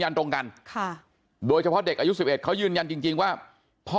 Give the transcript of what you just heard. ยันตรงกันครับโดยเฉพาะเด็กอายุสิบเอสเขายืนยันจริงว่าพ่อ